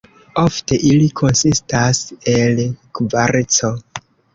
Ofte ili konsistas el kvarco.